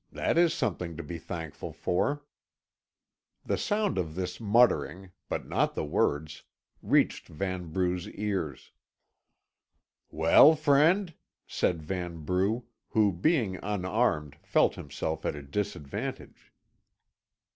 That is something to be thankful for." The sound of this muttering, but not the words, reached Vanbrugh's ears. "Well, friend?" said Vanbrugh, who, being unarmed, felt himself at a disadvantage.